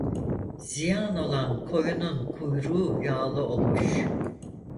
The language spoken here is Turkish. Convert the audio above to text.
Ziyan olan koyunun kuyruğu yağlı olur.